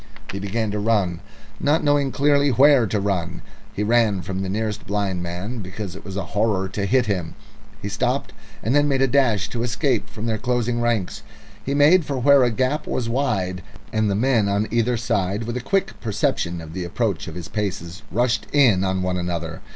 He began to run, not knowing clearly where to run. He ran from the nearest blind man, because it was a horror to hit him. He stopped, and then made a dash to escape from their closing ranks. He made for where a gap was wide, and the men on either side, with a quick perception of the approach of his paces, rushed in on one another.